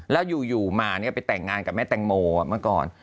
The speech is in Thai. แล้วอยู่มาไปแต่งงานกับแม่แตงโมเมื่อก่อน